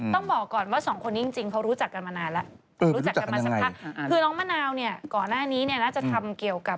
ต้องบอกก่อนว่าสองคนจริงเขารู้จักกันมานานแล้ว